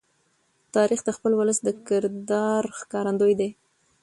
تاریخ د خپل ولس د کردار ښکارندوی دی.